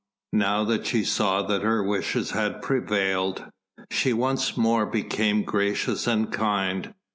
Now that she saw that her wishes had prevailed, she once more became gracious and kind.